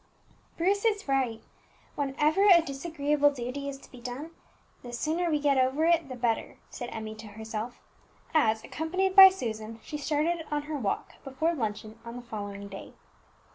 "Bruce is right; whenever a disagreeable duty is to be done, the sooner we get over it the better," said Emmie to herself, as, accompanied by Susan, she started on her walk before luncheon on the following day.